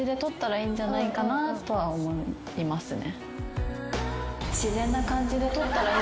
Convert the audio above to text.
いいんじゃないかなとは思いますね。